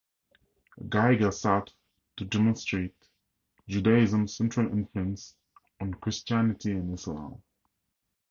Geiger sought to demonstrate Judaism's central influence on Christianity and Islam.